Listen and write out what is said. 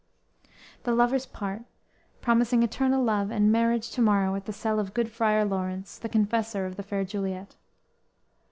"_ The lovers part, promising eternal love and marriage "to morrow" at the cell of good Friar Laurence, the confessor of the fair Juliet.